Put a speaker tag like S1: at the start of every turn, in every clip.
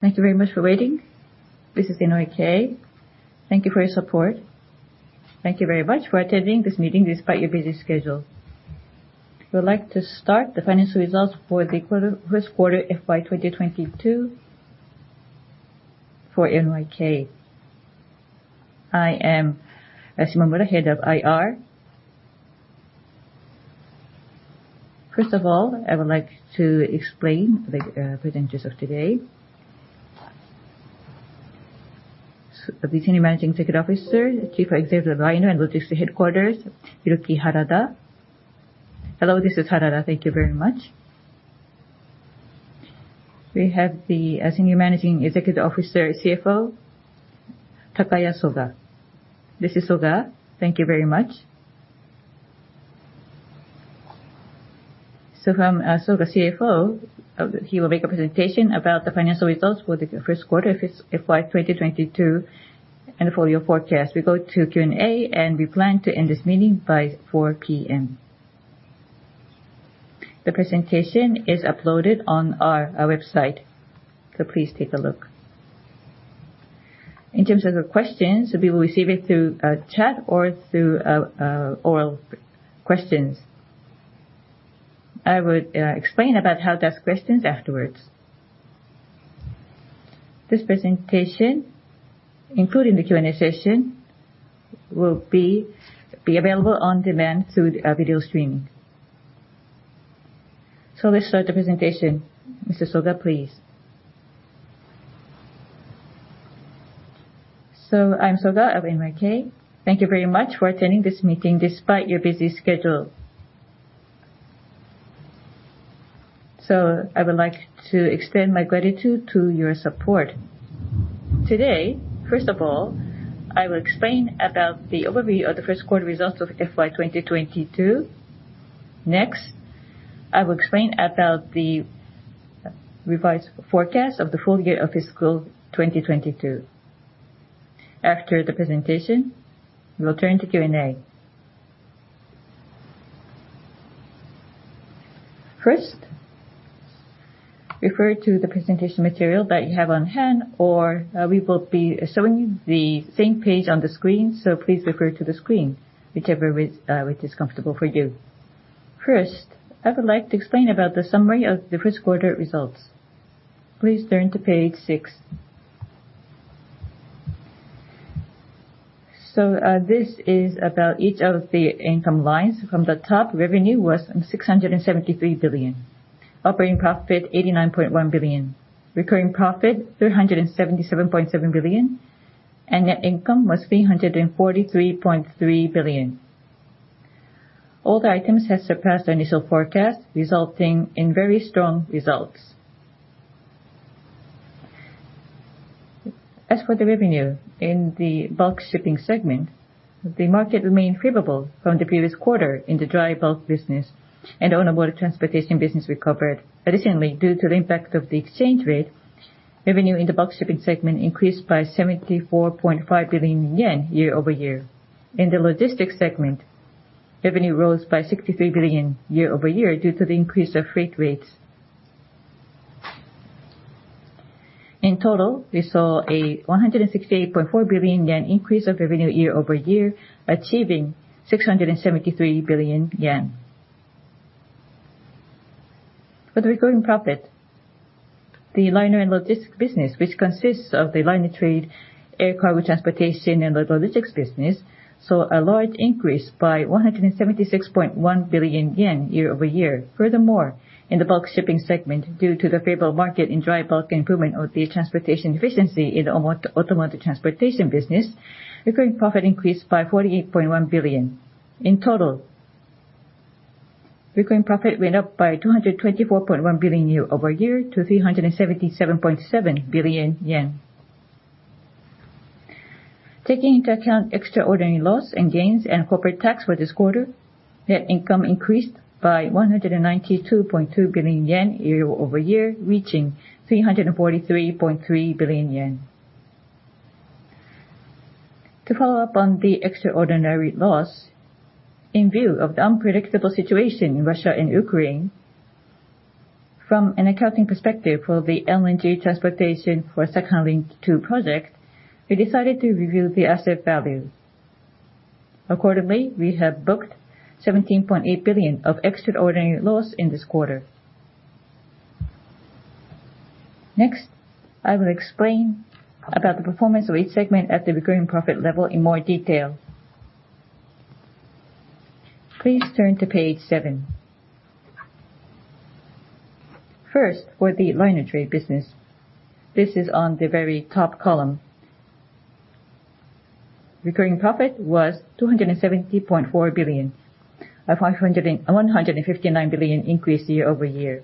S1: Thank you very much for waiting. This is NYK. Thank you for your support. Thank you very much for attending this meeting despite your busy schedule. We would like to start the financial results for the quarter, First Quarter FY 2022 for NYK. I am Shimomura, Head of IR. First of all, I would like to explain the presenters of today. Deputy Managing Executive Officer, Chief Executive liner and Logistics Headquarters, Hiroki Harada.
S2: Hello, this is Harada. Thank you very much.
S1: We have the Senior Managing Executive Officer, CFO, Takaya Soga.
S3: This is Soga. Thank you very much.
S1: From Soga, CFO, he will make a presentation about the financial results for the first quarter of this FY 2022 and the full year forecast. We go to Q&A, and we plan to end this meeting by 4 P.M. The presentation is uploaded on our website, so please take a look. In terms of the questions, we will receive it through chat or through oral questions. I will explain about how to ask questions afterwards. This presentation, including the Q&A session, will be available on demand through our video streaming. Let's start the presentation. Mr. Soga, please.
S3: I'm Soga of NYK. Thank you very much for attending this meeting despite your busy schedule. I would like to extend my gratitude to your support. Today, first of all, I will explain about the overview of the first quarter results of FY 2022. Next, I will explain about the revised forecast of the full year of fiscal 2022. After the presentation, we will turn to Q&A. First, refer to the presentation material that you have on hand, or we will be showing you the same page on the screen, so please refer to the screen, whichever is comfortable for you. First, I would like to explain about the summary of the first quarter results. Please turn to page 6. This is about each of the income lines. From the top, revenue was 673 billion. Operating profit 89.1 billion. Recurring profit 377.7 billion. And net income was 343.3 billion. All the items have surpassed our initial forecast, resulting in very strong results. As for the revenue in the bulk shipping segment, the market remained favorable from the previous quarter in the dry bulk business, and automotive transportation business recovered. Due to the impact of the exchange rate, revenue in the bulk shipping segment increased by 74.5 billion yen year-over-year. In the Logistics segment, revenue rose by 63 billion year-over-year due to the increase of freight rates. In total, we saw a 168.4 billion yen increase of revenue year-over-year, achieving 673 billion yen. For the recurring profit, logistics business, which consists of the liner Trade, logistics business, saw a large increase by 176.1 billion yen year-over-year. Furthermore, in the bulk shipping segment, due to the favorable market in Dry Bulk improvement of the transportation efficiency in automotive transportation business, recurring profit increased by 48.1 billion. In total, recurring profit went up by 224.1 billion yen year-over-year to 377.7 billion yen. Taking into account extraordinary loss and gains and corporate tax for this quarter, net income increased by 192.2 billion yen year-over-year, reaching 343.3 billion yen. To follow up on the extraordinary loss, in view of the unpredictable situation in Russia and Ukraine, from an accounting perspective for the LNG transportation for Sakhalin-II project, we decided to review the asset value. Accordingly, we have booked 17.8 billion of extraordinary loss in this quarter. Next, I will explain about the performance of each segment at the recurring profit level in more detail. Please turn to page seven. First, for the liner Trade business. This is on the very top column. Recurring profit was 270.4 billion, a 159 billion increase year-over-year.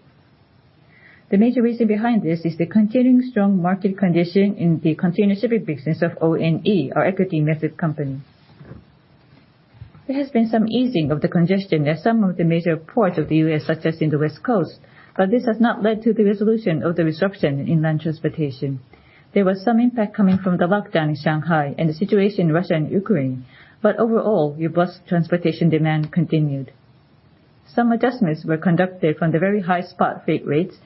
S3: The major reason behind this is the continuing strong market condition in the containership business of ONE, our equity method company. There has been some easing of the congestion at some of the major ports of the U.S., such as in the West Coast, but this has not led to the resolution of the disruption in land transportation. There was some impact coming from the lockdown in Shanghai and the situation in Russia and Ukraine, but overall, robust transportation demand continued. Some adjustments were conducted from the very high spot freight rates,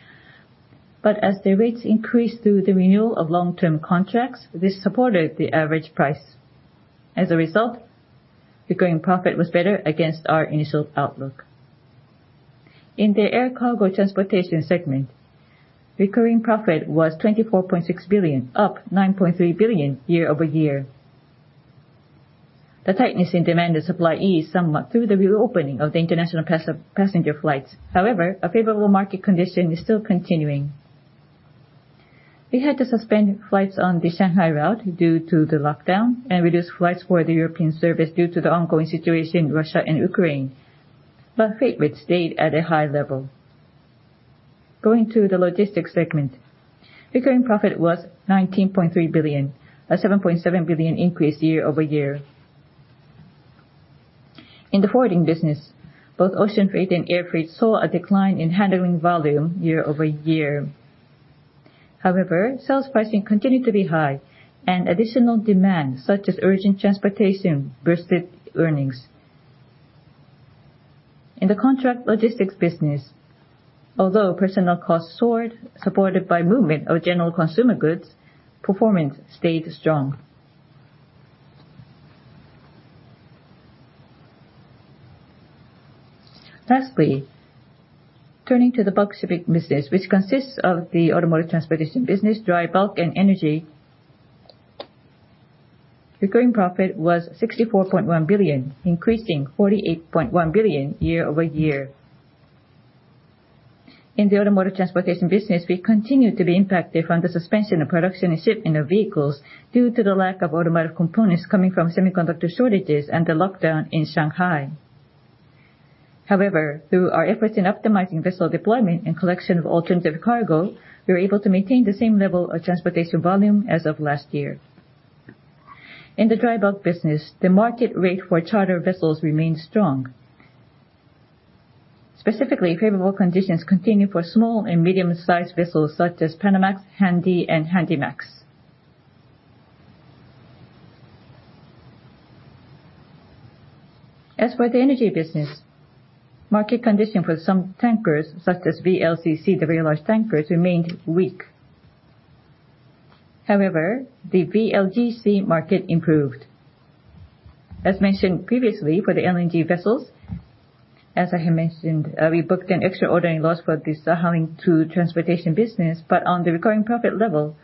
S3: but as the rates increased through the renewal of long-term contracts, this supported the average price. As a result, recurring profit was better against our initial outlook. In air cargo transportation segment, recurring profit was 24.6 billion, up 9.3 billion year-over-year. The tightness in demand and supply eased somewhat through the reopening of the international passenger flights. However, a favorable market condition is still continuing. We had to suspend flights on the Shanghai route due to the lockdown and reduced flights for the European service due to the ongoing situation in Russia and Ukraine, but freight rates stayed at a high level. Going to the logistics segment, recurring profit was 19.3 billion, a 7.7 billion increase year-over-year. In the forwarding business, both ocean freight and air freight saw a decline in handling volume year-over-year. However, sales pricing continued to be high, and additional demand, such as urgent transportation, boosted earnings. logistics business, although personnel costs soared, supported by movement of general consumer goods, performance stayed strong. Lastly, turning to the bulk shipping business, which consists of the automotive transportation business, dry bulk, and energy. Recurring profit was 64.1 billion, increasing 48.1 billion year-over-year. In the automotive transportation business, we continued to be impacted from the suspension of production and shipping of vehicles due to the lack of automotive components coming from semiconductor shortages and the lockdown in Shanghai. However, through our efforts in optimizing vessel deployment and collection of alternative cargo, we were able to maintain the same level of transportation volume as of last year. In the dry bulk business, the market rate for charter vessels remained strong. Specifically, favorable conditions continued for small and medium-sized vessels such as Panamax, Handy, and Handymax. As for the energy business, market condition for some tankers, such as VLCC, the very large tankers, remained weak. However, the VLGC market improved. As mentioned previously, for the LNG vessels, as I have mentioned, we booked an extraordinary loss for this. But on the recurring profit level,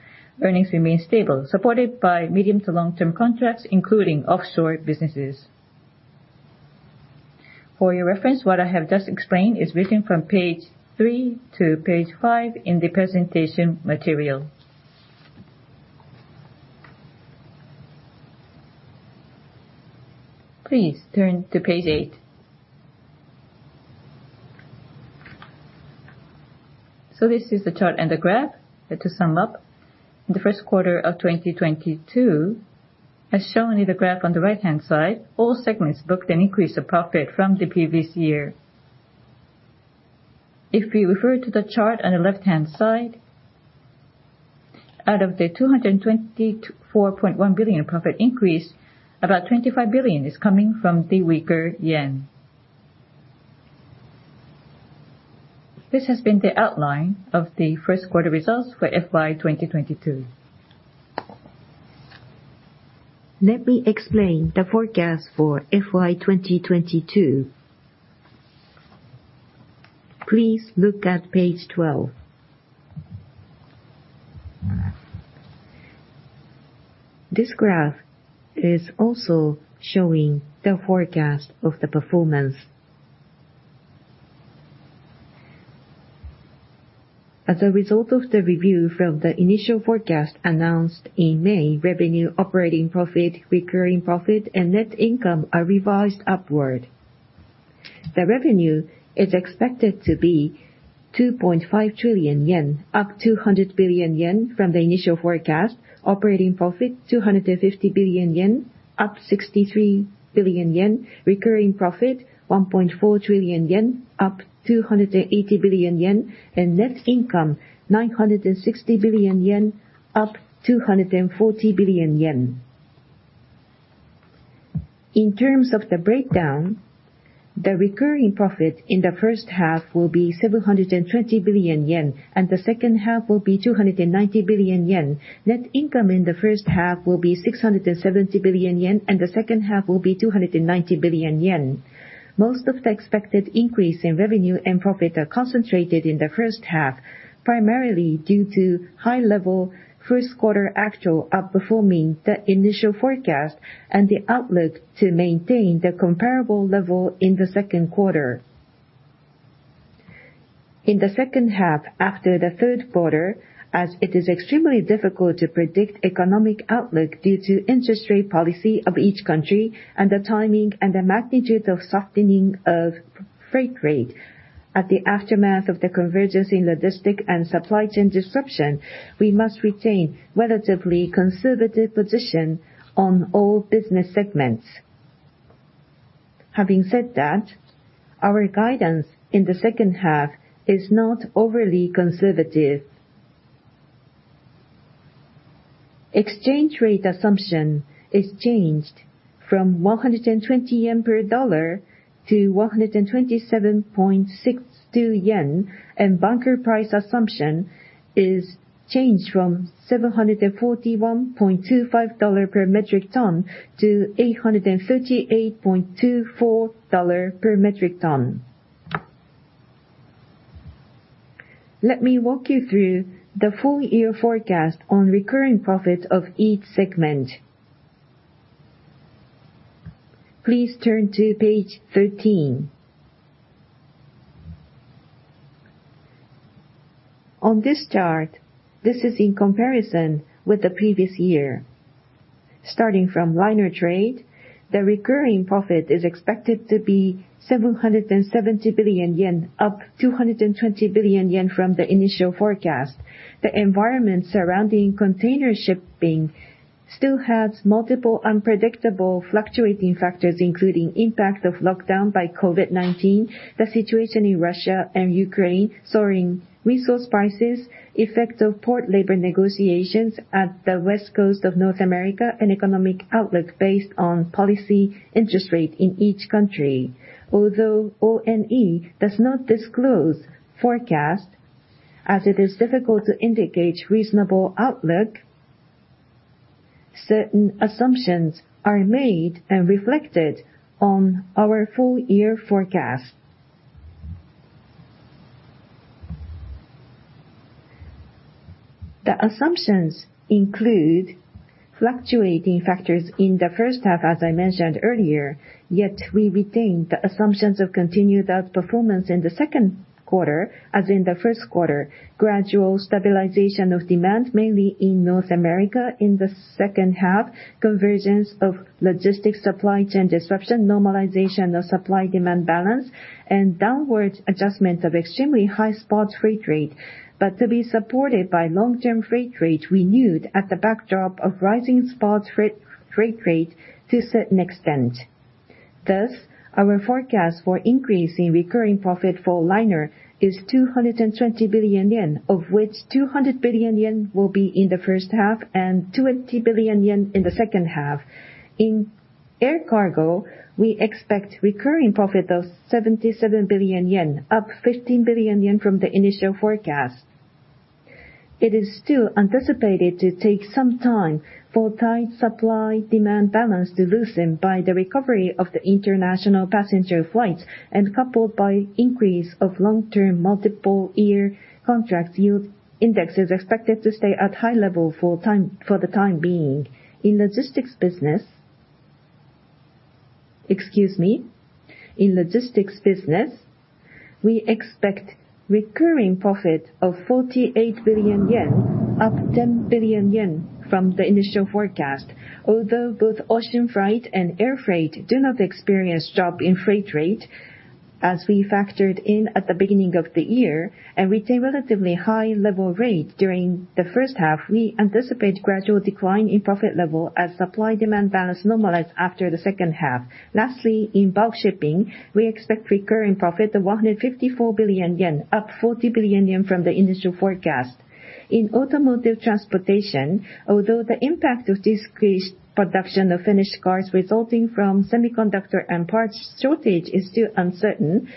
S3: earnings remained stable, supported by medium to long-term contracts, including offshore businesses. For your reference, what I have just explained is written from page three to page five in the presentation material. Please turn to page eight. This is the chart and the graph. To sum up, in the first quarter of 2022, as shown in the graph on the right-hand side, all segments booked an increase of profit from the previous year. If you refer to the chart on the left-hand side, out of the 224.1 billion profit increase, about 25 billion is coming from the weaker yen. This has been the outline of the first quarter results for FY 2022. Let me explain the forecast for FY 2022. Please look at page 12. This graph is also showing the forecast of the performance. As a result of the review from the initial forecast announced in May, revenue, operating profit, recurring profit, and net income are revised upward. The revenue is expected to be 2.5 trillion yen, up 200 billion yen from the initial forecast. Operating profit, 250 billion yen, up 63 billion yen. Recurring profit, 1.4 trillion yen, up 280 billion yen. Net income, 960 billion yen, up 240 billion yen. In terms of the breakdown, the recurring profit in the first half will be 720 billion yen, and the second half will be 290 billion yen. Net income in the first half will be 670 billion yen, and the second half will be 290 billion yen. Most of the expected increase in revenue and profit are concentrated in the first half, primarily due to high level first quarter actual outperforming the initial forecast and the outlook to maintain the comparable level in the second quarter. In the second half, after the third quarter, as it is extremely difficult to predict economic outlook due to interest rate policy of each country and the timing and the magnitude of softening of freight rate at the aftermath of the convergence in logistics and supply chain disruption, we must retain relatively conservative position on all business segments. Having said that, our guidance in the second half is not overly conservative. Exchange rate assumption is changed from 120 yen per $1 to 127.62 JPY, and bunker price assumption is changed from $741.25 per metric ton to $838.24 per metric ton. Let me walk you through the full year forecast on recurring profits of each segment. Please turn to page 13. On this chart, this is in comparison with the previous year. Starting from liner Trade, the recurring profit is expected to be 770 billion yen, up 220 billion yen from the initial forecast. The environment surrounding container shipping still has multiple unpredictable fluctuating factors, including impact of lockdown by COVID-19, the situation in Russia and Ukraine, soaring resource prices, effect of port labor negotiations at the West Coast of North America, and economic outlook based on policy interest rate in each country. Although ONE does not disclose forecast, as it is difficult to indicate reasonable outlook, certain assumptions are made and reflected on our full year forecast. The assumptions include fluctuating factors in the first half, as I mentioned earlier, yet we retain the assumptions of continued outperformance in the second quarter, as in the first quarter. Gradual stabilization of demand, mainly in North America in the second half, convergence of logistics supply chain disruption, normalization of supply-demand balance, and downwards adjustment of extremely high spot freight rate. To be supported by long-term freight rate renewed at the backdrop of rising spot freight rate to a certain extent. Thus, our forecast for increase in recurring profit for liner is 220 billion yen, of which 200 billion yen will be in the first half and 20 billion yen in the second half. air cargo, we expect recurring profit of 77 billion yen, up 15 billion yen from the initial forecast. It is still anticipated to take some time for tight supply-demand balance to loosen by the recovery of the international passenger flights, and coupled by increase of long-term multiple year contracts, yield index is expected to stay at high level for the time being. Logistics business, we expect recurring profit of 48 billion yen, up 10 billion yen from the initial forecast. Although both ocean freight and air freight do not experience drop in freight rate, as we factored in at the beginning of the year, and retain relatively high level rate during the first half, we anticipate gradual decline in profit level as supply-demand balance normalizes after the second half. Lastly, in bulk shipping, we expect recurring profit of 154 billion yen, up 40 billion yen from the initial forecast. In automotive transportation, although the impact of decreased production of finished cars resulting from semiconductor and parts shortage is still uncertain,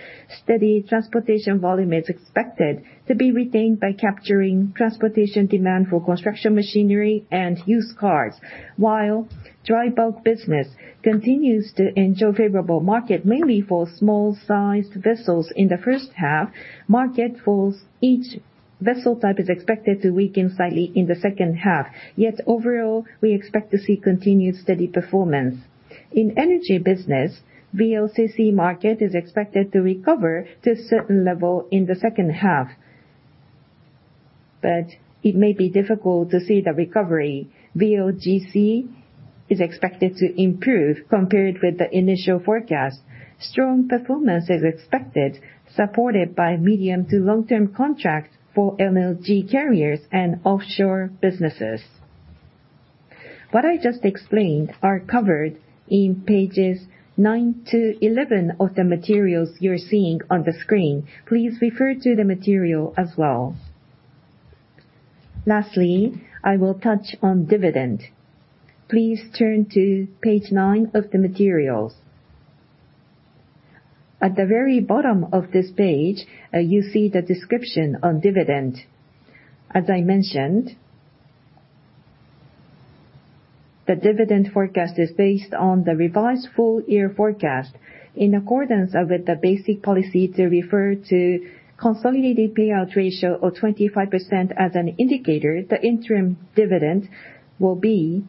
S3: steady transportation volume is expected to be retained by capturing transportation demand for construction machinery and used cars. While dry bulk business continues to enjoy favorable market, mainly for small sized vessels in the first half, market for each vessel type is expected to weaken slightly in the second half. Yet overall, we expect to see continued steady performance. In energy business, VLCC market is expected to recover to a certain level in the second half, but it may be difficult to see the recovery. VLGC is expected to improve compared with the initial forecast. Strong performance is expected, supported by medium- to long-term contracts for LNG carriers and offshore businesses. What I just explained are covered in pages nine to 11 of the materials you're seeing on the screen. Please refer to the material as well. Lastly, I will touch on dividend. Please turn to page nine of the materials. At the very bottom of this page, you see the description on dividend. As I mentioned, the dividend forecast is based on the revised full year forecast. In accordance with the basic policy to refer to consolidated payout ratio of 25% as an indicator, the interim dividend will be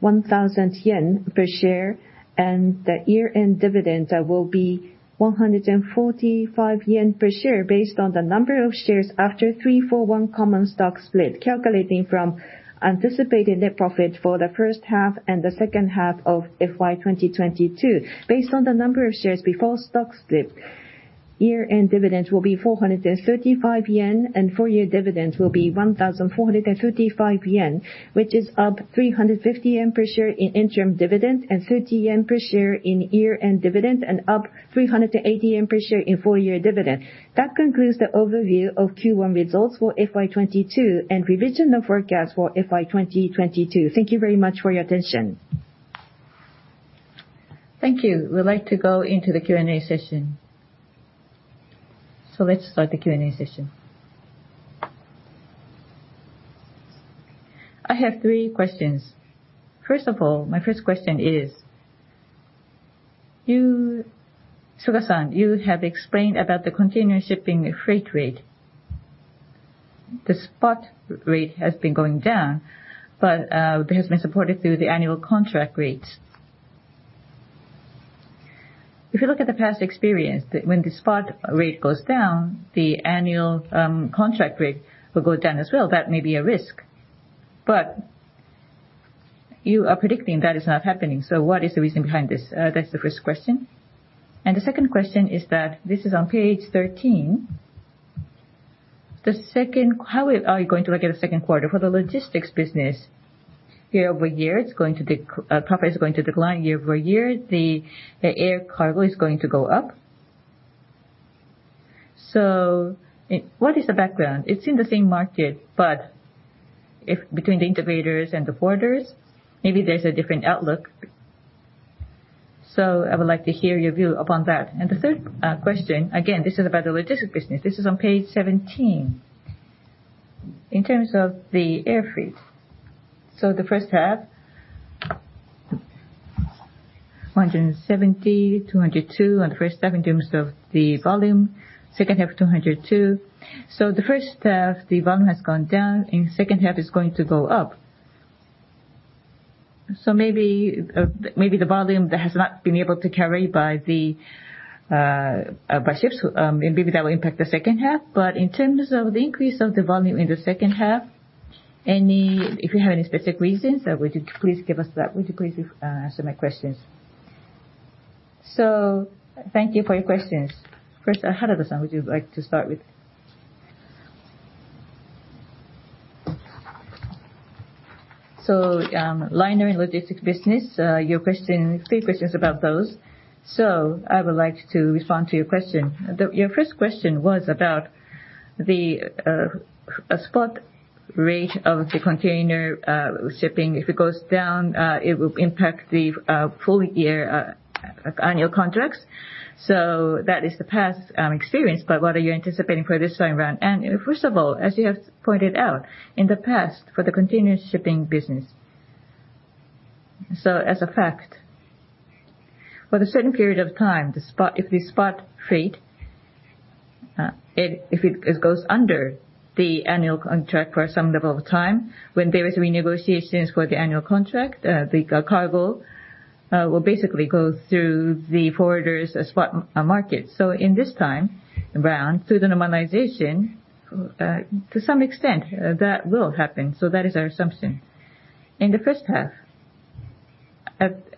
S3: 1,000 yen per share, and the year-end dividend will be 145 yen per share based on the number of shares after 3-for-1 common stock split, calculating from anticipated net profit for the first half and the second half of FY 2022. Based on the number of shares before stock split, year-end dividends will be 435 yen, and full year dividends will be 1,435 yen, which is up 350 yen per share in interim dividends and 30 yen per share in year-end dividends, and up 380 yen per share in full year dividend. That concludes the overview of Q1 results for FY 2022 and revision of forecast for FY 2022. Thank you very much for your attention.
S1: Thank you. We'd like to go into the Q&A session. Let's start the Q&A session. I have three questions. First of all, my first question is: Takaya Soga, you have explained about the container shipping freight rate. The spot rate has been going down, but it has been supported through the annual contract rates. If you look at the past experience, when the spot rate goes down, the annual contract rate will go down as well. That may be a risk. But you are predicting that is not happening, so what is the reason behind this? That's the first question. The second question is that this is on page thirteen. How are you going to look at the second logistics business, year-over-year profit is going to decline year-over-year. air cargo is going to go up. What is the background? It's in the same market, but difference between the integrators and the forwarders, maybe there's a different outlook. I would like to hear your view upon that. The third question, again, this logistics business. this is on page 17. In terms of the air freight. The first half, 170, 202 on the first half in terms of the volume. Second half, 202. The first half, the volume has gone down. In second half, it's going to go up. Maybe, maybe the volume that has not been able to carry by the ships, and maybe that will impact the second half. But, in terms of the increase of the volume in the second half, any- if you have any specific reasons, would you please give us that? Would you please, answer my questions?
S3: Thank you for your questions. First, Harada-san, would you like to start with?
S2: Logistics business, your question, three questions about those. I would like to respond to your question. Your first question was about the spot rate of the container shipping. If it goes down, it will impact the full year annual contracts. That is the past experience. What are you anticipating for this time around? First of all, as you have pointed out, in the past for the container shipping business, so as a fact, for the certain period of time, the spot- if the spot freight goes under the annual contract for some level of time, when there is renegotiation for the annual contract, the cargo will basically go through the forwarder's spot market. In this time around, through the normalization, to some extent, that will happen. That is our assumption. In the first half,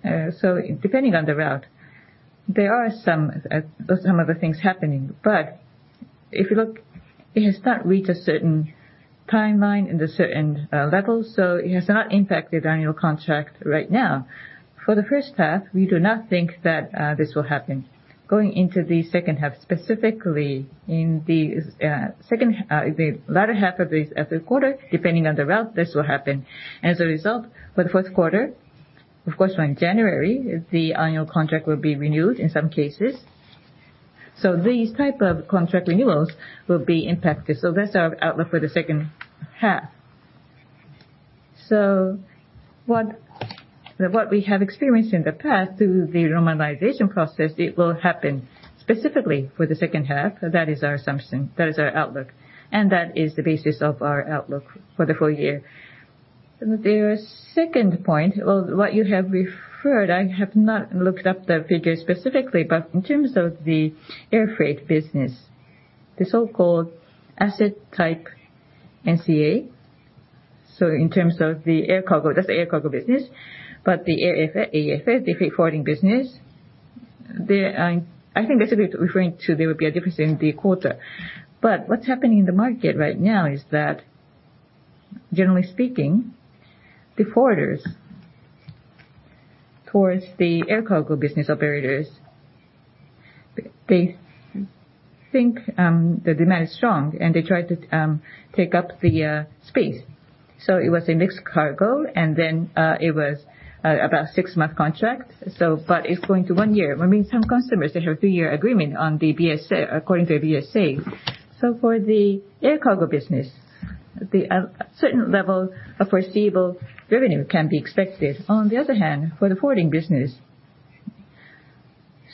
S2: depending on the route, there are some other things happening. If you look, it has not reached a certain timeline and a certain level, so it has not impacted annual contract right now. For the first half, we do not think that this will happen. Going into the second half, specifically in the second, the latter half of the quarter, depending on the route, this will happen. As a result, for the fourth quarter, of course around January, the annual contract will be renewed in some cases. These type of contract renewals will be impacted. That's our outlook for the second half. What we have experienced in the past through the normalization process, it will happen specifically for the second half. That is our assumption, that is our outlook, and that is the basis of our outlook for the full year. The second point, well, what you have referred, I have not looked up the figure specifically, but in terms of the air freight business, the so-called asset type NCA. In terms of air cargo business. The AFF, the freight forwarding business, there, I think that's a bit referring to there would be a difference in the quarter. What's happening in the market right now is that, generally speaking, the forwarders towards air cargo business operators, they think the demand is strong and they try to take up the space. It was a mixed cargo, and then it was about six-month contract. It's going to one year, which means some customers, they have two-year agreement on the BSA, according to the BSA. For air cargo business, certain level of foreseeable revenue can be expected. On the other hand, for the forwarding business,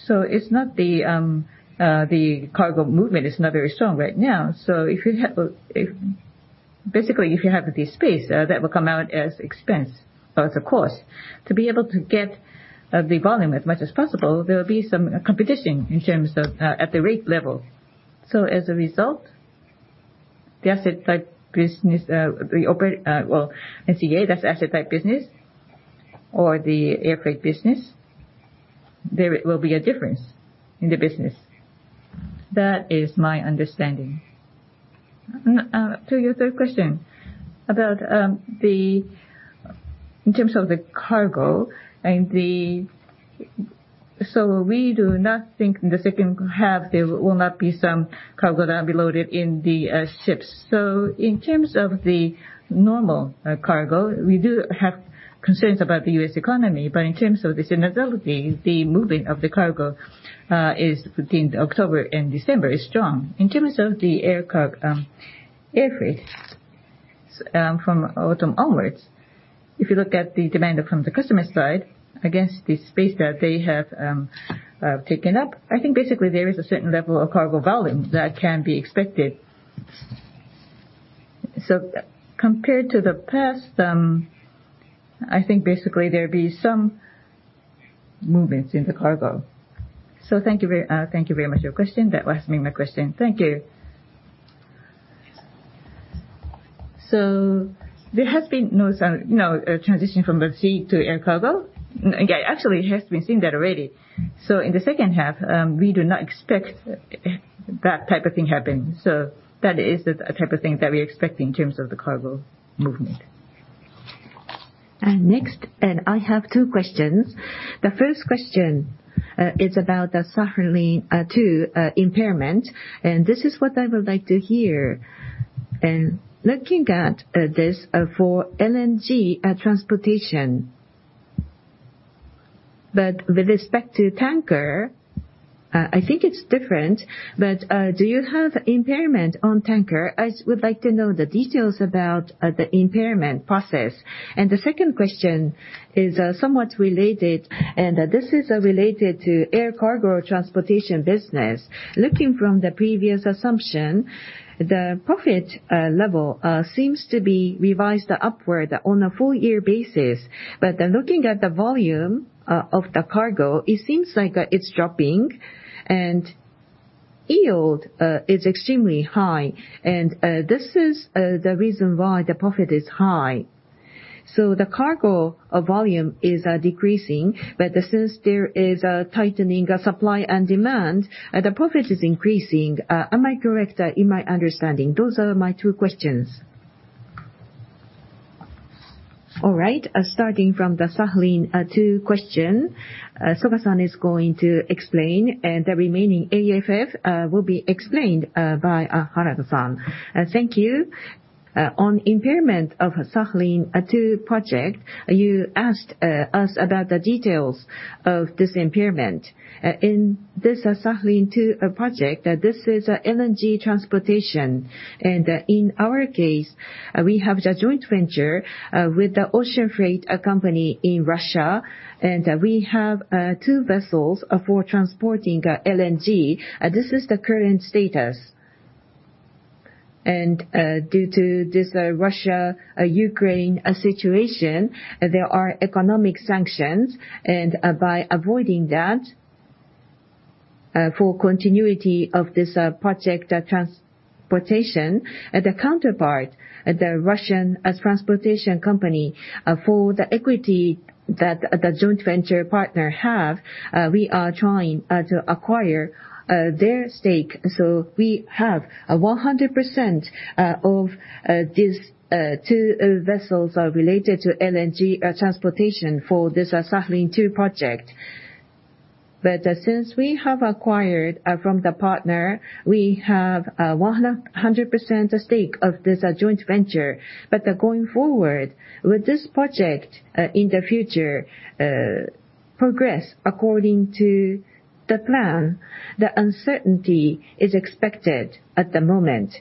S2: it's not that the cargo movement is very strong right now. Basically, if you have the space, that will come out as expense or as a cost. To be able to get the volume as much as possible, there will be some competition in terms of at the rate level. As a result, the asset type business, well, NCA, that's asset type business or the air freight business, there will be a difference in the business. That is my understanding.
S3: To your third question about the cargo and the- we do not think in the second half there will not be some cargo that will be loaded in the ships. In terms of the normal cargo, we do have concerns about the U.S. economy, but in terms of the seasonality, the moving of the cargo is between October and December is strong. In terms of the air freight, from autumn onwards, if you look at the demand from the customer side against the space that they have taken up, I think basically there is a certain level of cargo volume that can be expected. Compared to the past, I think basically there'll be some movements in the cargo. Thank you very much your question.
S1: That was my question. Thank you.
S3: There has been no transition from sea air cargo. Actually, it has been seen that already. In the second half, we do not expect that type of thing happening. That is the type of thing that we expect in terms of the cargo movement.
S1: Next, I have two questions. The first question is about the Sakhalin-II impairment, and this is what I would like to hear. Looking at this for LNG transportation. With respect to tanker, I think it's different, but do you have impairment on tanker? I would like to know the details about the impairment process. The second question is somewhat related, and this is related air cargo transportation business. Looking from the previous assumption, the profit level seems to be revised upward on a full-year basis. Looking at the volume of the cargo, it seems like it's dropping and yield is extremely high. This is the reason why the profit is high. The cargo volume is decreasing, but since there is a tightening of supply and demand, the profit is increasing. Am I correct in my understanding? Those are my two questions. All right. Starting from the Sakhalin-II question, Takaya Soga is going to explain, and the remaining AFF will be explained by Hiroki Harada.
S3: Thank you. On impairment of Sakhalin-II project, you asked us about the details of this impairment. In this Sakhalin-II project, this is LNG transportation. In our case, we have the joint venture with the ocean freight company in Russia, and we have two vessels for transporting LNG. This is the current status. Due to this Russia-Ukraine situation, there are economic sanctions, and by avoiding that, for continuity of this project transportation, the counterpart, the Russian transportation company, for the equity that the joint venture partner have, we are trying to acquire their stake. We have 100% of these two vessels are related to LNG transportation for this Sakhalin-II project. Since we have acquired from the partner, we have 100% stake of this joint venture. Going forward, will this project in the future progress according to the plan? The uncertainty is expected at the moment.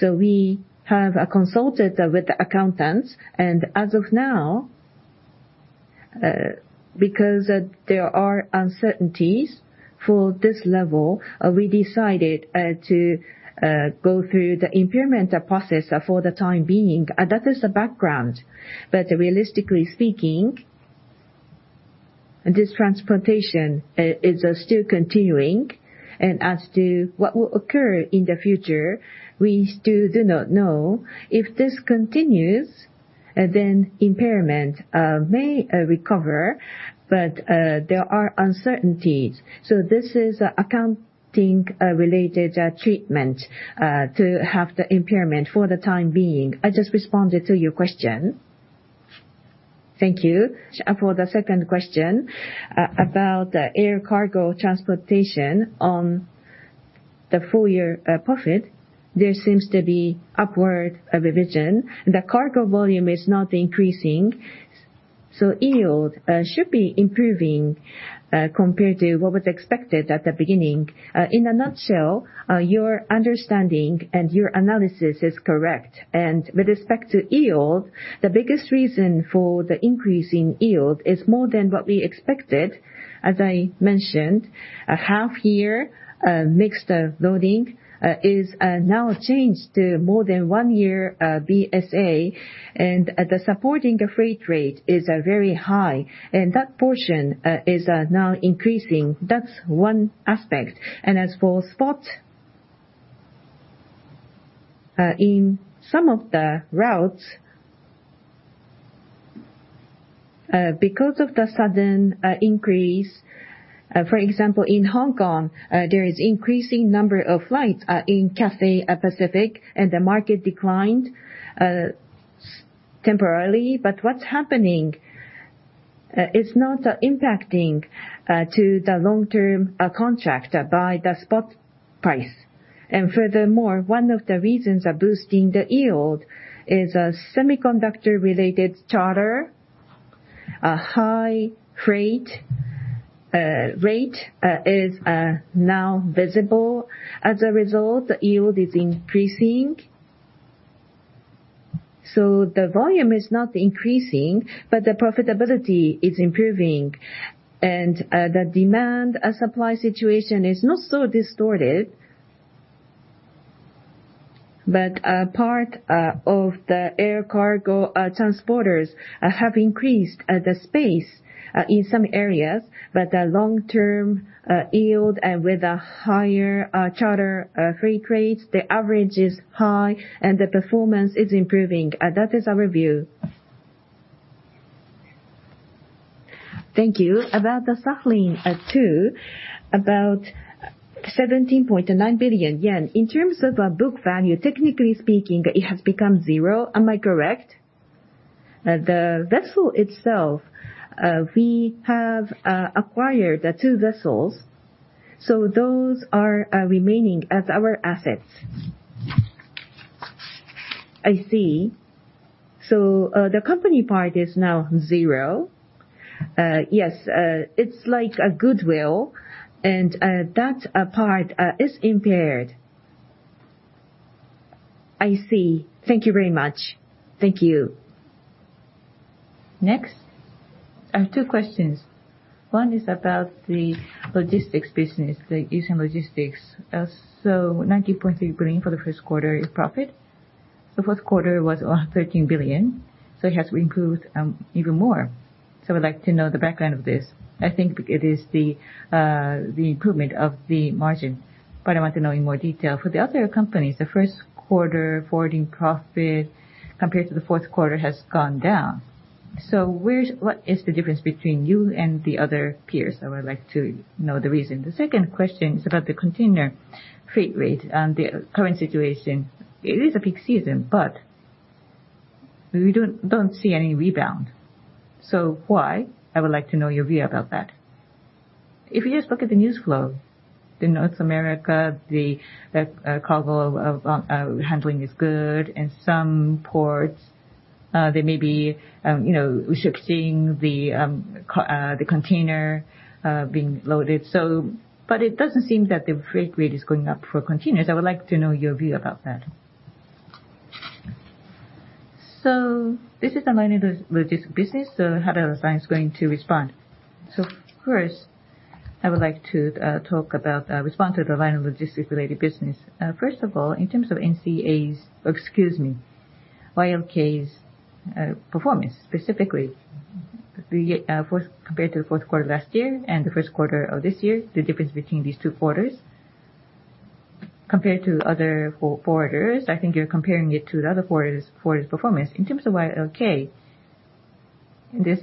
S3: We have consulted with the accountants, and as of now, because there are uncertainties for this level, we decided to go through the impairment process for the time being. That is the background. Realistically speaking, this transportation is still continuing. As to what will occur in the future, we still do not know. If this continues, then impairment may recover, but there are uncertainties. This is accounting related treatment to have the impairment for the time being. I just responded to your question. Thank you.
S2: For the second question, air cargo transportation on the full year profit, there seems to be upward revision. The cargo volume is not increasing, so yield should be improving compared to what was expected at the beginning. In a nutshell, your understanding and your analysis is correct. With respect to yield, the biggest reason for the increase in yield is more than what we expected. As I mentioned, a half year, mixed loading, is now changed to more than one year, BSA. The supporting freight rate is very high, and that portion is now increasing. That's one aspect. As for spot, in some of the routes- because of the sudden increase, for example, in Hong Kong, there is increasing number of flights in Cathay Pacific, and the market declined temporarily. What's happening is not impacting to the long-term contract by the spot price. Furthermore, one of the reasons are boosting the yield is a semiconductor-related charter. A high freight rate is now visible. As a result, the yield is increasing. The volume is not increasing, but the profitability is improving. The demand and supply situation is not so distorted. A part of air cargo transporters have increased the space in some areas. The long-term yield with a higher charter freight rate, the average is high and the performance is improving. That is our view.
S1: Thank you. About the Sakhalin-II, 17.9 billion yen. In terms of book value, technically speaking, it has become zero. Am I correct?
S2: The vessel itself, we have acquired the two vessels, so those are remaining as our assets.
S1: I see. So, the company part is now zero?
S2: Yes, it's like a goodwill, and that part is impaired.
S1: I see. Thank you very much.
S2: Thank you.
S1: Next. I have two questions. One logistics business, the ocean logistics. 90.3 billion for the first quarter is profit. The fourth quarter was 13 billion, so it has improved even more. I'd like to know the background of this. I think it is the improvement of the margin, but I want to know in more detail. For the other companies, the first quarter forwarding profit compared to the fourth quarter has gone down. What is the difference between you and the other peers? I would like to know the reason. The second question is about the container freight rate and the current situation. It is a peak season, but we don't see any rebound. Why? I would like to know your view about that. If you just look at the news flow, in North America, the cargo handling is good. In some ports, there may be restricting the container being loaded. But it doesn't seem that the freight rate is going up for containers. I would like to know your view about that.
S3: This logistics business, so Harada-san is going to respond.
S2: First, I would like to respond to the liner and logistics-related business. First of all, in terms of YLK's performance, specifically compared to the fourth quarter last year and the first quarter of this year, the difference between these two quarters compared to other forwarders, I think you're comparing it to the other forwarders' performance. In terms of YLK, in this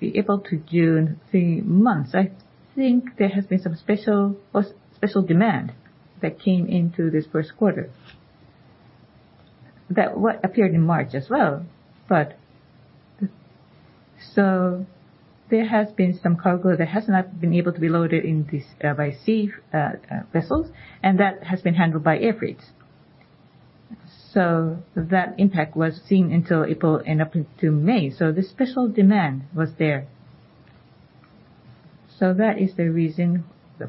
S2: the April to June three months, I think there has been some special demand that came into this first quarter. That what appeared in March as well, but there has been some cargo that has not been able to be loaded in these by sea vessels, and that has been handled by air freight. That impact was seen until April and up into May. The special demand was there. That is the reason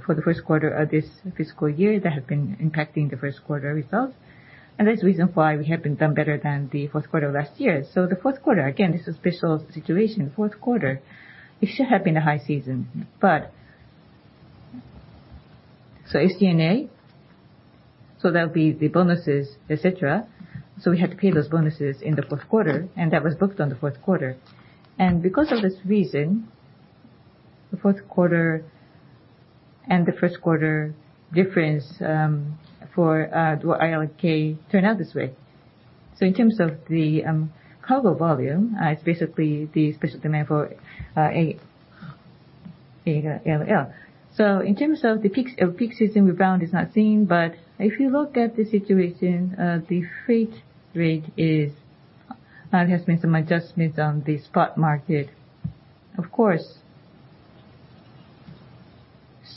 S2: for the first quarter of this fiscal year that have been impacting the first quarter results. That's the reason why we have been done better than the fourth quarter of last year. The fourth quarter, again, this is special situation. Fourth quarter, it should have been a high season, but- SG&A, that would be the bonuses, et cetera. We had to pay those bonuses in the fourth quarter, and that was booked on the fourth quarter. Because of this reason, the fourth quarter and the first quarter difference, for NYK turn out this way. In terms of the cargo volume, it's basically the special demand for [air to LL]. In terms of the peak season rebound is not seen, but if you look at the situation, the freight rate has made some adjustments on the spot market. Of course.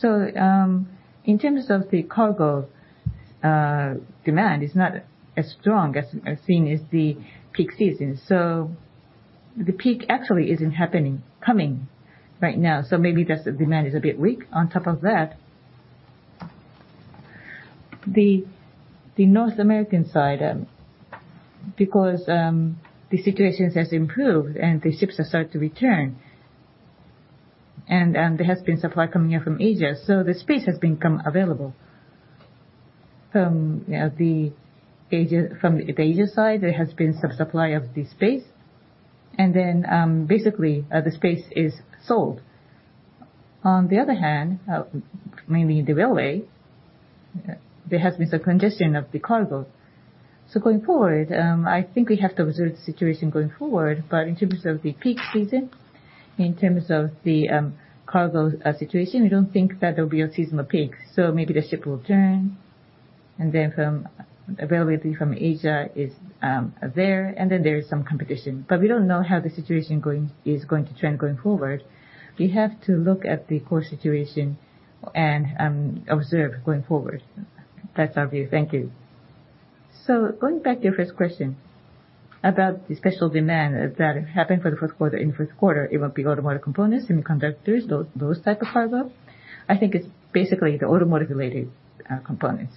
S2: In terms of the cargo, demand is not as strong as seen in the peak season. The peak actually isn't happening right now, maybe the demand is a bit weak. On top of that, the North American side, because the situation has improved and the ships start to return, and there has been supply coming here from Asia, the space has become available. From the Asia side, there has been some supply of the space, and then, basically, the space is sold.
S3: On the other hand, mainly the railway, there has been some congestion of the cargo. Going forward, I think we have to observe the situation going forward. In terms of the peak season, in terms of the cargo situation, we don't think that there'll be a seasonal peak. Maybe the situation will turn and then available from Asia is there, and then there's some competition. We don't know how the situation is going to trend going forward. We have to look at the cargo situation and observe going forward. That's our view. Thank you. Going back to your first question about the special demand that happened for the first quarter. In the first quarter it will be automotive components, semiconductors, those type of cargo. I think it's basically the automotive related components.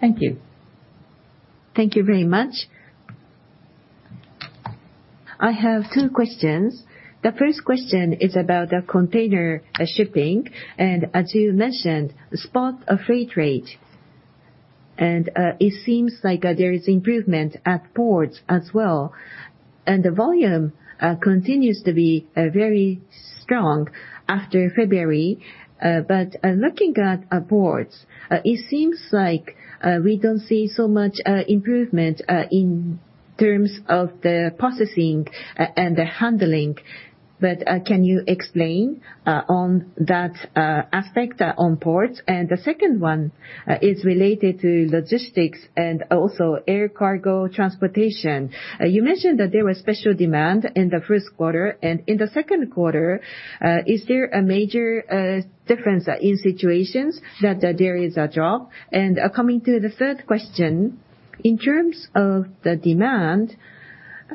S3: Thank you.
S1: Thank you very much. I have two questions. The first question is about the container shipping, and as you mentioned, the spot freight rate. It seems like there is improvement at ports as well. The volume continues to be very strong after February. But looking at our ports, it seems like we don't see so much improvement in terms of the processing and the handling. But can you explain on that aspect on ports? The second one is related to logistics and air cargo transportation. You mentioned that there was special demand in the first quarter. In the second quarter, is there a major difference in situations that there is a drop? Coming to the third question, in terms of the demand,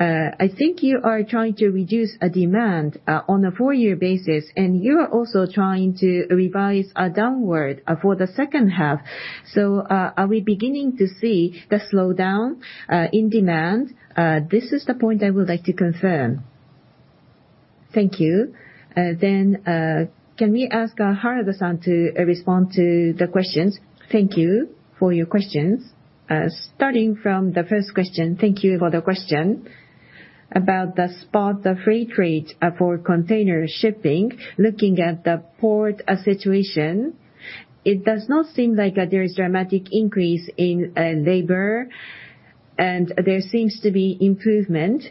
S1: I think you are trying to reduce demand on a four-year basis, and you are also trying to revise downward for the second half. Are we beginning to see the slowdown in demand? This is the point I would like to confirm. Thank you. Then, can we ask Harada-san to respond to the questions?
S2: Thank you for your questions. Starting from the first question. Thank you for the question about the spot, the freight rate for container shipping. Looking at the port situation, it does not seem like there is dramatic increase in labor, and there seems to be improvement.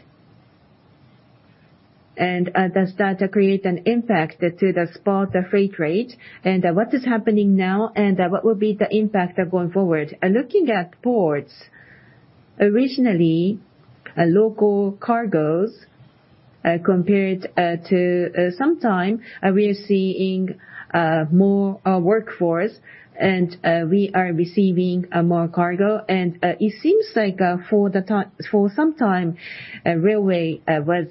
S2: Does that create an impact to the spot, the freight rate, and what is happening now and what will be the impact of going forward? Looking at ports, originally local cargos compared to some time, we are seeing more workforce and we are receiving more cargo. It seems like, for the time, for some time, railway was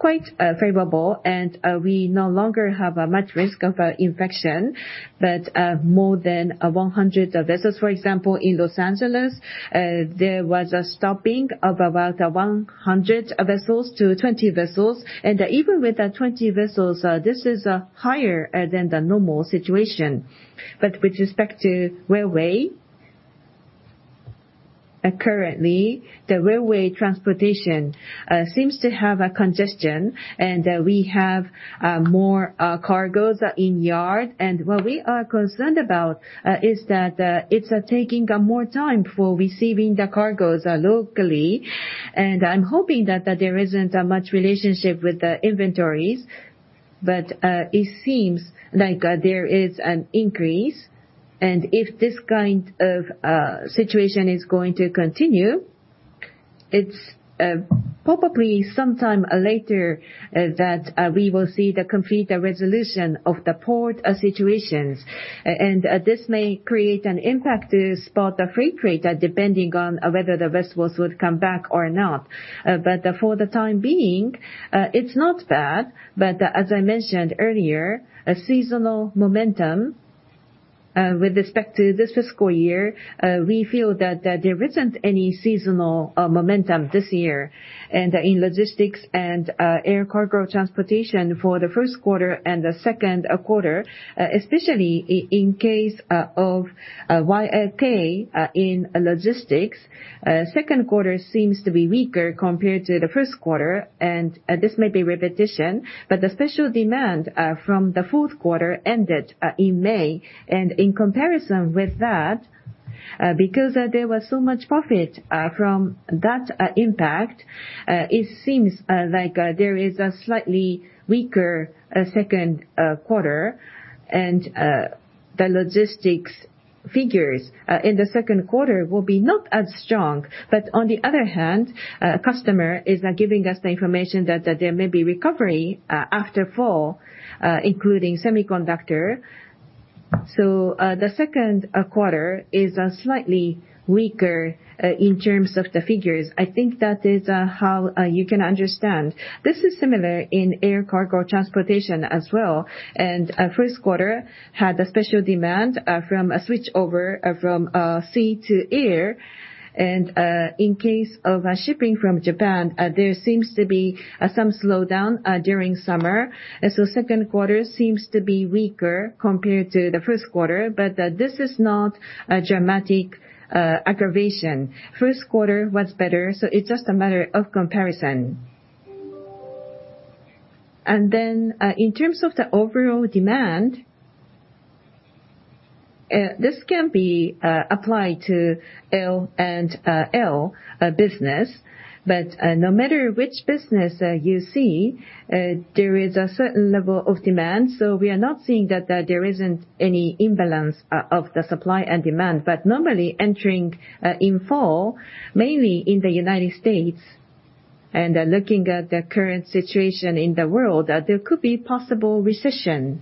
S2: quite favorable and we no longer have much risk of infection. More than 100 vessels, for example, in Los Angeles, there was a stopping of about 100 vessels to 20 vessels. Even with the 20 vessels, this is higher than the normal situation. With respect to railway, currently, the railway transportation seems to have a congestion and we have more cargos in yard. What we are concerned about is that it's taking more time for receiving the cargos locally. I'm hoping that there isn't much relationship with the inventories. It seems like there is an increase. If this kind of situation is going to continue, it's probably sometime later that we will see the complete resolution of the port situations. This may create an impact to the spot freight rate, depending on whether the vessels would come back or not. For the time being, it's not bad. As I mentioned earlier, a seasonal momentum with respect to this fiscal year, we feel that there isn't any seasonal momentum this year. In logistics air cargo transportation for the first quarter and the second quarter, especially in case of NYK in logistics, second quarter seems to be weaker compared to the first quarter. This may be repetition, but the special demand from the fourth quarter ended in May. In comparison with that, because there was so much profit from that impact, it seems like there is a slightly weaker second quarter. The logistics figures in the second quarter will be not as strong. On the other hand, a customer is giving us the information that there may be recovery after fall, including semiconductor. The second quarter is slightly weaker in terms of the figures. I think that is how you can understand. This is similar air cargo transportation as well. First quarter had a special demand from a switchover from sea to air. In case of a shipping from Japan, there seems to be some slowdown during summer. Second quarter seems to be weaker compared to the first quarter, but this is not a dramatic aggravation. First quarter was better, so it's just a matter of comparison. In terms of the overall demand, this can be applied to L and L business. No matter which business you see, there is a certain level of demand. We are not seeing that there isn't any imbalance of the supply and demand. Normally entering in fall, mainly in the United States and looking at the current situation in the world, that there could be possible recession.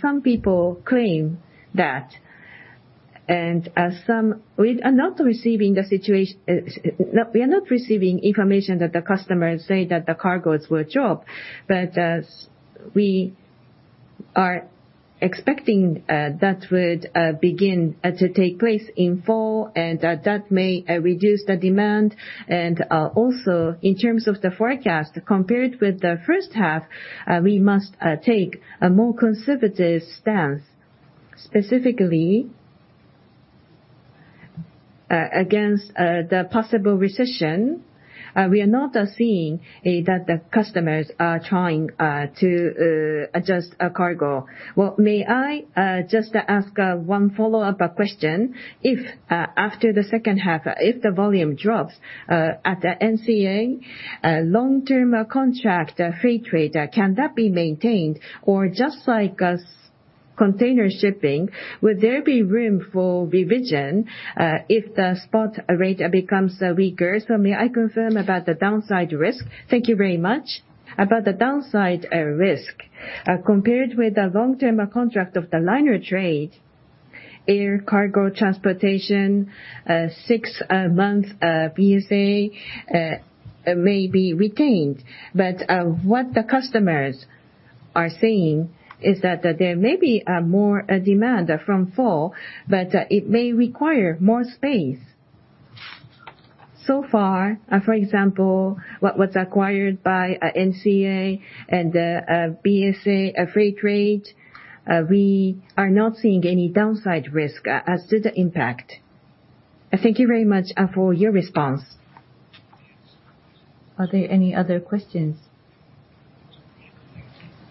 S2: Some people claim that- we are not receiving information that the customers say that the cargos will drop. As we are expecting, that would begin to take place in fall and that may reduce the demand. Also in terms of the forecast, compared with the first half, we must take a more conservative stance, specifically against the possible recession. We are not seeing that the customers are trying to adjust a cargo.
S1: Well, may I just ask one follow-up question? If, after the second half, if the volume drops, at the NCA, long-term contract freight rate, can that be maintained? Or just like, container shipping, will there be room for revision, if the spot rate becomes weaker? May I confirm about the downside risk? Thank you very much.
S2: About the downside risk, compared with the long-term contract of the liner air cargo transportation, six-month BSA may be retained. What the customers are saying is that there may be more demand from fall, but it may require more space. So far, for example, what was acquired by NCA and BSA, a freight rate, we are not seeing any downside risk as to the impact. Thank you very much for your response. Are there any other questions?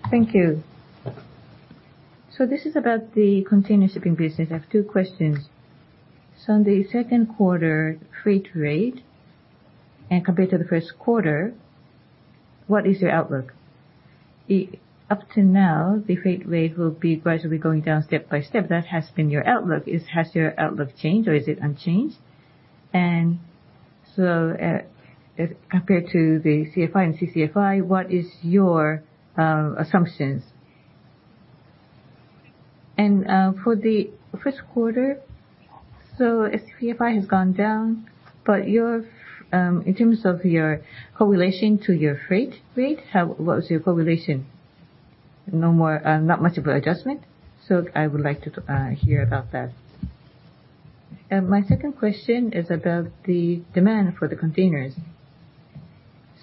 S1: Thank you. This is about the container shipping business. I have two questions. On the second quarter freight rate and compared to the first quarter, what is your outlook? Up to now, the freight rate will be gradually going down step by step. That has been your outlook. Has your outlook changed or is it unchanged? As compared to the SCFI and CCFI, what is your assumptions? For the first quarter, CCFI has gone down, but your, in terms of your correlation to your freight rate, how, what was your correlation? No more, not much of an adjustment? I would like to hear about that. My second question is about the demand for the containers.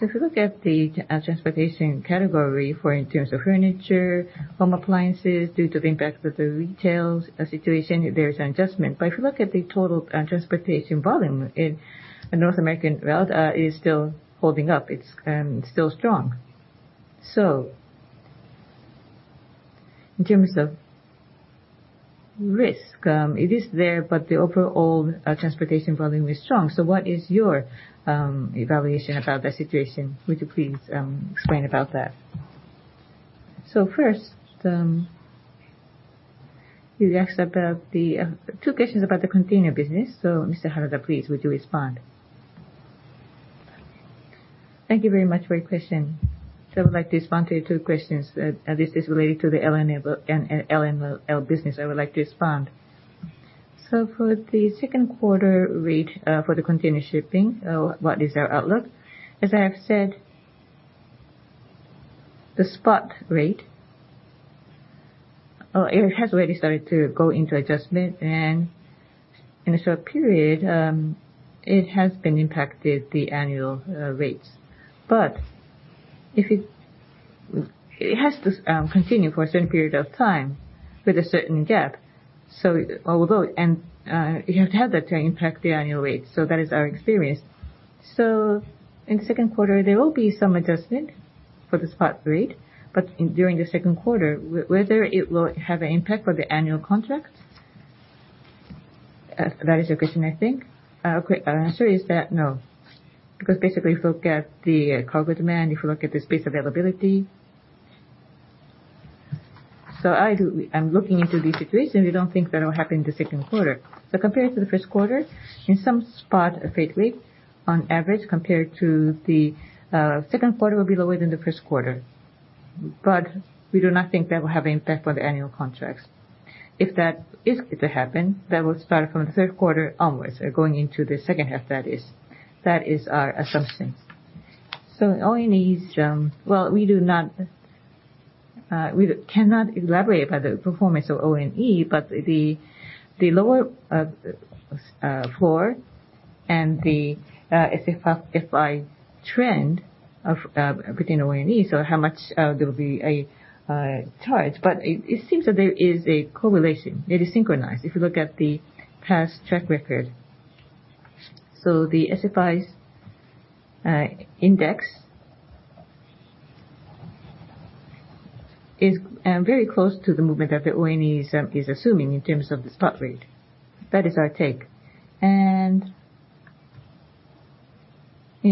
S1: If you look at the transportation category for in terms of furniture, home appliances, due to the impact of the retail situation, there's an adjustment. If you look at the total, transportation volume in the North American route, is still holding up. It's still strong. In terms of risk, it is there, but the overall, transportation volume is strong. What is your evaluation about the situation? Would you please explain about that?
S3: First, you asked about the two questions about the container business. Mr. Harada, please, would you respond?
S2: Thank you very much for your question. I would like to respond to your two questions. This is related to the LNL business. I would like to respond. For the second quarter rate, for the container shipping, what is our outlook? As I have said, the spot rate, it has already started to go into adjustment, and in the short period, it has been impacted the annual, rates. But if it has to continue for a certain period of time with a certain gap. Although you have to have that to impact the annual rate, so that is our experience. In the second quarter, there will be some adjustment for the spot rate. During the second quarter, whether it will have an impact for the annual contract, that is your question, I think. Quick answer is that, no. Because basically if you look at the cargo demand, if you look at the space availability. I do, I'm looking into the situation. We don't think that will happen in the second quarter. Compared to the first quarter, in some spot, a freight rate on average compared to the second quarter will be lower than the first quarter. We do not think that will have impact on the annual contracts. If that is to happen, that will start from the third quarter onwards, going into the second half, that is. That is our assumption- so, ONEs, well, we cannot elaborate about the performance of ONE, but the lower floor and the SCFI trend between ONE, so how much there will be a change. It seems that there is a correlation. It is synchronized, if you look at the past track record. The SCFI's index is very close to the movement that the ONE is assuming in terms of the spot rate. That is our take. In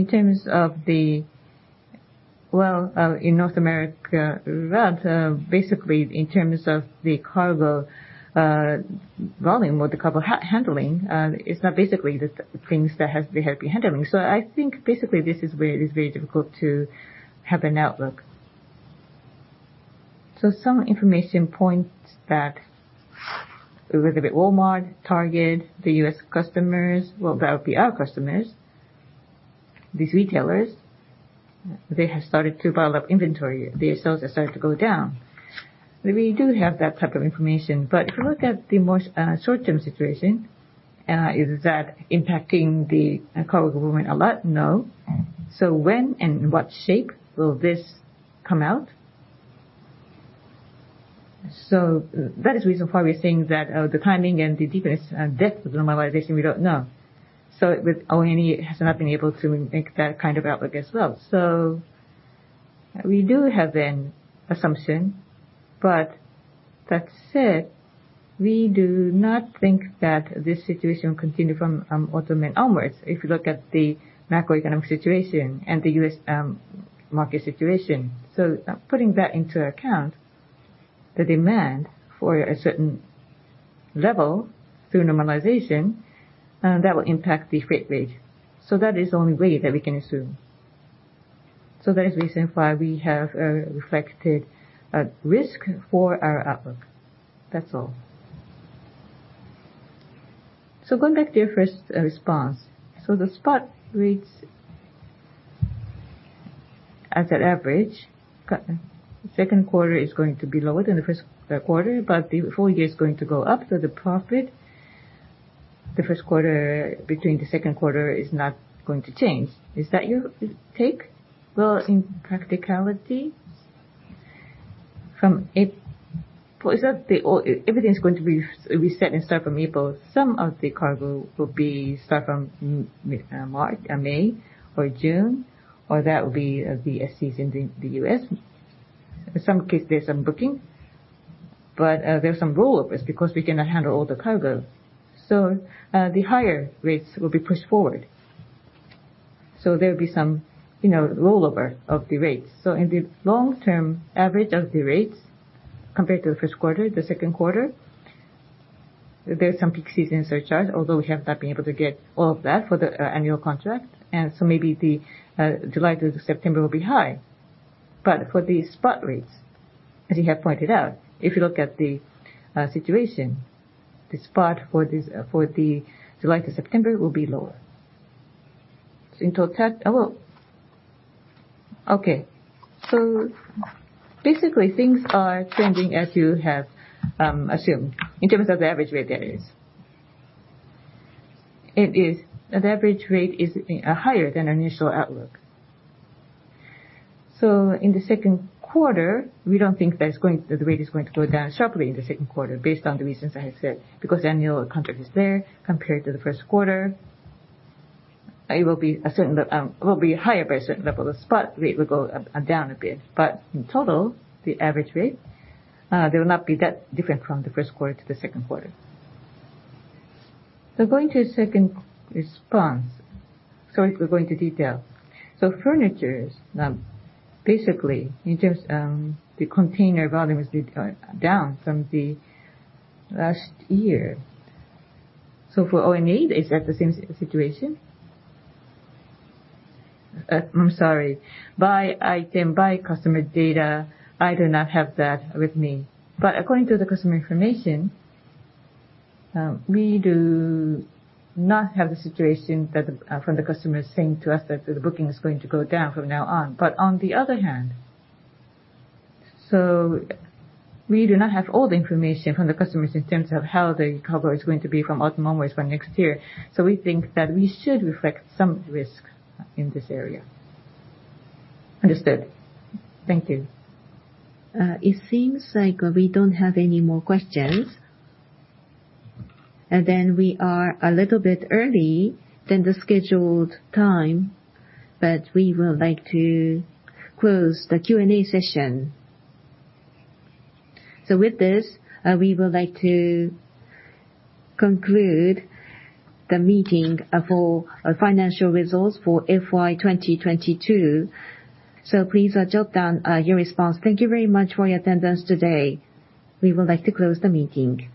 S2: terms of North America, that's basically in terms of the cargo volume or the cargo handling, it's not basically the things that they have been handling. I think basically this is where it is very difficult to have an outlook. Some information points that with the Walmart, Target, the U.S. customers, well, that would be our customers, these retailers, they have started to pile up inventory. The sales have started to go down. We do have that type of information. If you look at the more short-term situation, is that impacting the cargo movement a lot? No. When and what shape will this come out? That is reason why we are saying that, the timing and the deepest depth of the normalization, we don't know. With ONE, it has not been able to make that kind of outlook as well. We do have an assumption, but that said, we do not think that this situation will continue from autumn and onwards, if you look at the macroeconomic situation and the U.S. market situation. Putting that into account, the demand for a certain level through normalization, that will impact the freight rate. That is the only way that we can assume. That is reason why we have reflected a risk for our outlook. That's all.
S1: Going back to your first response. The spot rates as an average, second quarter is going to be lower than the first quarter, but the full year is going to go up. The profit, the first quarter between the second quarter is not going to change. Is that your take?
S2: Well, in practicality, everything is going to be reset starting from April. Some of the cargo will start from March, May or June, or that will be the seasons in the US. In some cases, there's some booking, but there's some rollovers because we cannot handle all the cargo. The higher rates will be pushed forward. There'll be some, you know, rollover of the rates. In the long-term average of the rates compared to the first quarter, the second quarter, there's some peak season surcharge, although we have not been able to get all of that for the annual contract. Maybe the July to September will be high. But for the spot rates, as you have pointed out, if you look at the situation, the spot for this, for the July to September will be lower. Basically, things are trending as you have assumed in terms of the average rate, that is. The average rate is higher than our initial outlook. In the second quarter, we don't think that the rate is going to go down sharply in the second quarter based on the reasons I have said, because annual contract is there compared to the first quarter. It will be higher by a certain level. The spot rate will go up and down a bit. In total, the average rate will not be that different from the first quarter to the second quarter.
S1: Going to second response. Sorry for going into detail. Furniture, basically in terms, the container volume is down from the last year. For ONE, is that the same situation?
S3: I'm sorry. By item, by customer data, I do not have that with me. But, according to the customer information, we do not have the situation that, from the customers saying to us that the booking is going to go down from now on. On the other hand, we do not have all the information from the customers in terms of how the cargo is going to be from autumn onwards for next year. We think that we should reflect some risk in this area.
S1: Understood. Thank you. It seems like we don't have any more questions. We are a little bit earlier than the scheduled time, but we would like to close the Q&A session. With this, we would like to conclude the meeting for our financial results for FY 2022. Please jot down your response. Thank you very much for your attendance today. We would like to close the meeting.